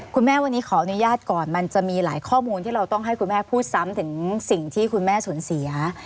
คุณแม่วันนี้ขออนุญาตก่อนมันจะมีหลายข้อมูลที่เราต้องให้คุณแม่พูดซ้ำถึงสิ่งที่คุณแม่สูญเสีย